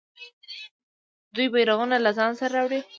دوی بیرغونه له ځان سره راوړي.